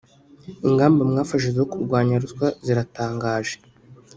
ingamba mwafashe zo kurwanya ruswa ziratangaje